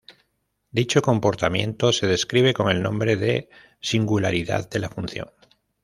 Dicho comportamiento se describe con el nombre de singularidad de la función.